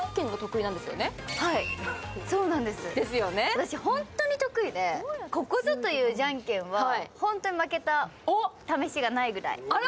私本当に得意でここぞというじゃんけんは負けたためしがないくらい。